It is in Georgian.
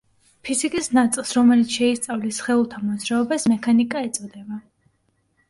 ფიზიკის ნაწილს, რომელიც შეისწავლის სხეულთა მოძრაობას, მექანიკა ეწოდება.